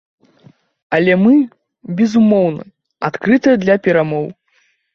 Але мы, безумоўна, адкрытыя для перамоў.